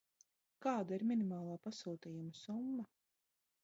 Kāda ir minimālā pasūtījuma summa?